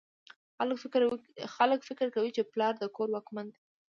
خلک فکر کوي چې پلار د کور واکمن دی